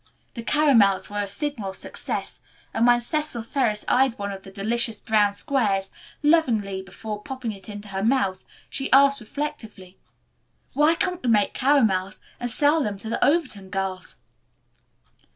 The caramels were a signal success, and when Cecil Ferris eyed one of the delicious brown squares lovingly before popping it into her mouth, then asked reflectively, "Why couldn't we make caramels and sell them to the Overton girls?"